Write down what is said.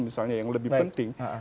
misalnya yang lebih penting